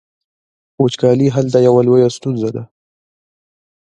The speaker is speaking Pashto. وچکالي هلته یوه لویه ستونزه ده.